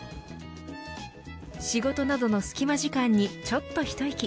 仕事などの隙間時間にちょっと一息。